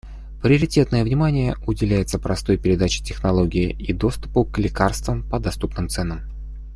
Приоритетное внимание уделяется простой передаче технологии и доступу к лекарствам по доступным ценам.